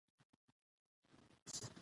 افغانستان د انار د پلوه ځانته ځانګړتیا لري.